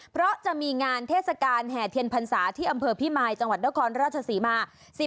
เพราะจะมีงานเทศกาลแห่เทียนพรรษาที่อำเภอพิมายจังหวัดนครราชศรีมา